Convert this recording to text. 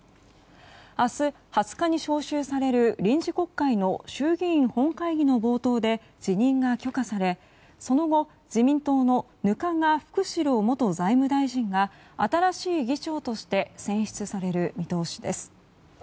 明日２０日に召集される臨時国会の衆議院本会議の冒頭で辞任が許可されその後、自民党の額賀福志郎元財務大臣が新しい議長として選出される見通しです。